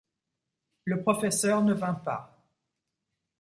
Le professeur ne vint pas.